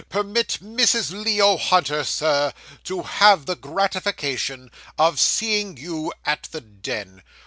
Permit Mrs. Leo Hunter, Sir, to have the gratification of seeing you at the Den.